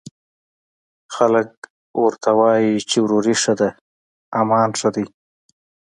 خلک ورته وايي، چې وروري ښه ده، امان ښه دی